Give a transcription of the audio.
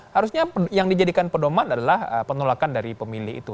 harusnya yang dijadikan pedoman adalah penolakan dari pemilih itu